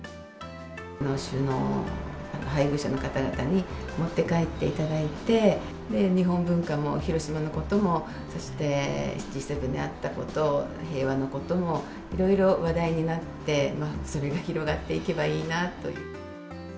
首脳の配偶者の方々に持って帰っていただいて、日本文化も、広島のことも、そしてＧ７であったこと、平和のことも、いろいろ話題になって、それが広がっていけばいいなという。